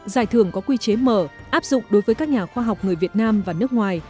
giải thưởng có quy chế mở áp dụng đối với các nhà khoa học người việt nam và nước ngoài